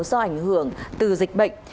do ảnh hưởng từ dịch bệnh